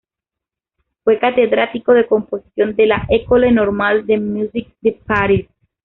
Fue catedrático de composición de la École Normale de Musique de Paris.